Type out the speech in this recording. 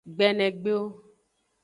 Gbenegbeo.